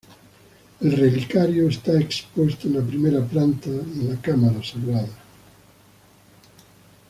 El relicario está expuesto en la primera planta, en la cámara sagrada.